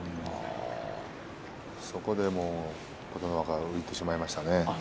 そこで琴ノ若が浮いてしまいましたね。